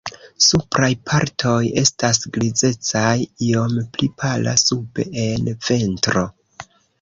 Supraj partoj estas grizecaj, iom pli pala sube en ventro.